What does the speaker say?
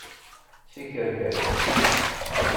D tikerkas!